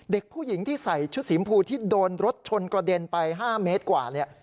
เด็กผู้หญิงที่ใส่ชุดสีมพูที่โดนรถชนกระเด็นไป๕เมตรกว่าเนี่ย